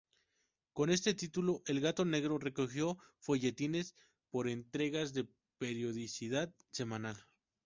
Con este título, "El Gato Negro" recogió folletines por entregas de periodicidad semanal.